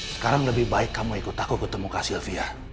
sekarang lebih baik kamu ikut aku ketemu kak sylvia